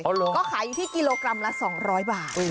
ก็ขายอยู่ที่กิโลกรัมละ๒๐๐บาท